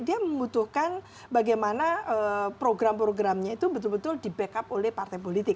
dia membutuhkan bagaimana program programnya itu betul betul di backup oleh partai politik